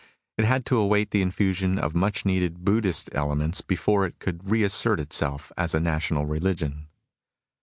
It had to await the infusion of much needed Buddhistic elements before it could re assert itself as a national religion.